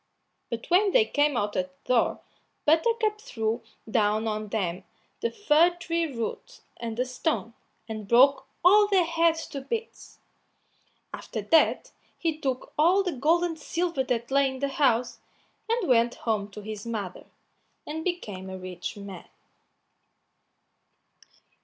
But when they came out at the door, Buttercup threw down on them the fir tree root and the stone, and broke all their heads to bits. After that he took all the gold and silver that lay in the house, and went home to his mother, and became a rich man.